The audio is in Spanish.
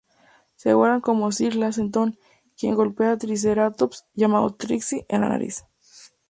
Se guardan por Sir Lancelot, quien golpea el Triceratops, llamado "Trixie", en la nariz.